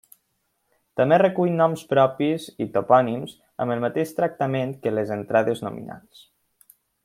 També recull noms propis i topònims, amb el mateix tractament que les entrades nominals.